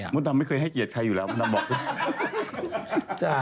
ดำไม่เคยให้เกียรติใครอยู่แล้วมดดำบอก